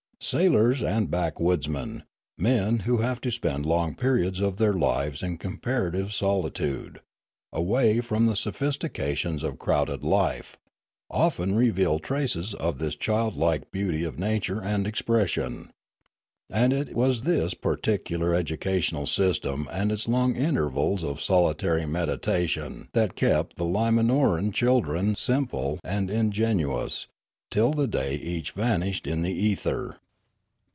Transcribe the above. Sailors and backwoodsmen, men who have to spend long periods of their lives in comparative soli tude, away from the sophistications of crowded life, often reveal traces of this childlike beauty of nature and expression. And it was this peculiar educational system and its long intervals of solitary meditation that kept the Limanorans children, simple and ingenu ous, till the day each vanished in the ether.